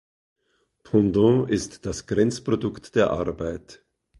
Pendant ist das Grenzprodukt der Arbeit.